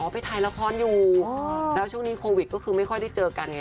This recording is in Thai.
ไปถ่ายละครอยู่แล้วช่วงนี้โควิดก็คือไม่ค่อยได้เจอกันไง